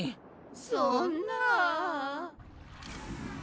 そんな。